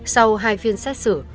sau hai phiên xét xử